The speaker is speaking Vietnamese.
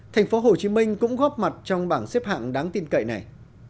thành phố hồ chí minh cũng góp mặt trong bảng xếp hạng đáng tin cậy này